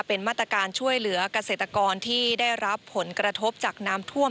เป็นมาตรการช่วยเหลือกเกษตรกรที่ได้รับผลกระทบจากน้ำท่วม